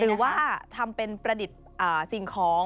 หรือว่าทำเป็นประดิษฐ์สิ่งของ